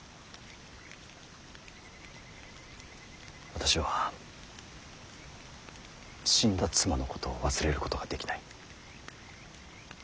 私は死んだ妻のことを忘れることができない。